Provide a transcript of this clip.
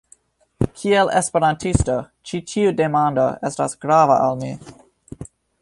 Kiel Esperantisto, ĉi tiu demando estas grava al mi.